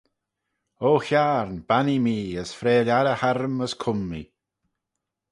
O Hiarn bannee mee as freayl arrey harrym as cum mee.